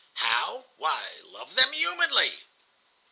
"How? Why, love them humanly."